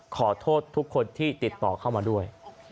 ขอโทษทุกคนที่ติดต่อเข้ามาด้วย